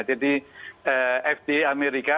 jadi fda amerika